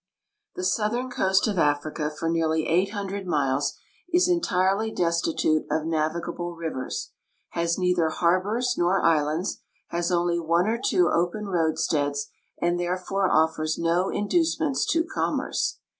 The southern coast of Africa for nearly eight hundred miles, is entirely destitute of navigable rivers ; has neither harbors nor islands, has only one or two open roadsteads, and therefore offers no inducements to commerce.